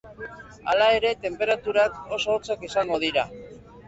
Hala ere, tenperaturak oso hotzak izango dira.